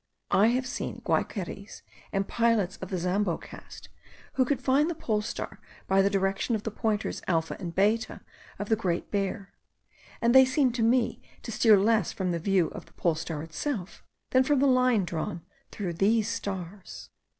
I have seen Guaiqueries and pilots of the Zambo caste, who could find the pole star by the direction of the pointers alpha and beta of the Great Bear, and they seemed to me to steer less from the view of the pole star itself, than from the line drawn through these stars.